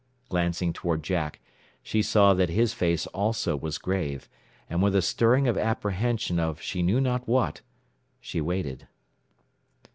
Glancing toward Jack, she saw that his face also was grave, and with a stirring of apprehension of she knew not what, she waited.